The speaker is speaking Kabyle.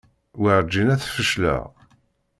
Werǧin ad tfecleḍ.